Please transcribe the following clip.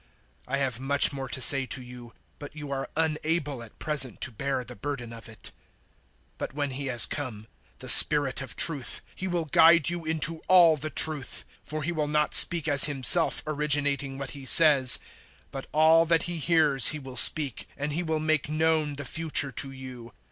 016:012 "I have much more to say to you, but you are unable at present to bear the burden of it. 016:013 But when He has come the Spirit of Truth He will guide you into all the truth. For He will not speak as Himself originating what He says, but all that He hears He will speak, and He will make known the future to you.